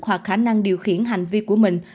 hoặc khả năng điều khiển hành vi của mình